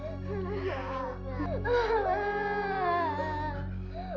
mas ramli kenapa